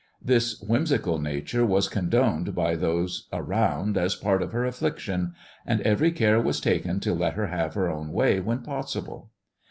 This whimsical nature was condoned by those around as part of her affliction ; and every care was taken to let her have her own way when possible.